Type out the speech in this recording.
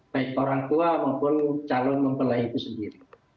baik orang tua maupun calon mempelai itu sendiri